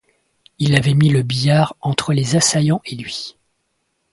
Il avait mis le billard entre les assaillants et lui.